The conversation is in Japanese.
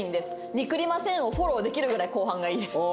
「肉りません？」をフォローできるぐらい後半がいいです。